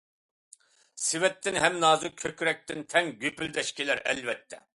سېۋەتتىن ھەم نازۇك كۆكرەكتىن تەڭ گۈپۈلدەش كېلەر ئەلۋەتتە.